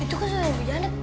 itu kan sudah ibu janet